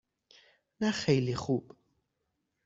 نه خیلی خوب.